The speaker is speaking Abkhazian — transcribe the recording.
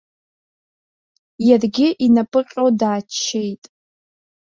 Иаргьы инапы ҟьо дааччеит.